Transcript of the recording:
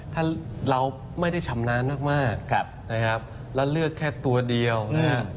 ถ้าเราไม่ได้ชำนาญมากนะครับแล้วเลือกแค่ตัวเดียวนะฮะ